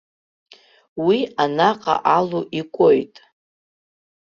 Уи анаҟа алу икәоит.